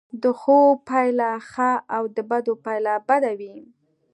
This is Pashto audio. د ښو پایله ښه او د بدو پایله بده وي.